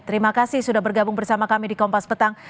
terima kasih sudah bergabung bersama kami di kompas petang